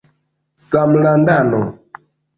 samlandano